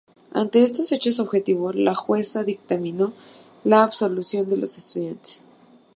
Ante estos hechos objetivos, la jueza dictaminó la absolución de los estudiantes.